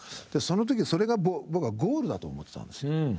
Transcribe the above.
その時それが僕はゴールだと思ってたんですよ。